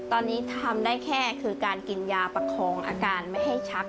ตอนนี้ทำได้แค่คือการกินยาประคองอาการไม่ให้ชัก